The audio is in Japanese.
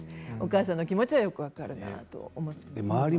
お母さんの気持ちはよく分かるなと思っています。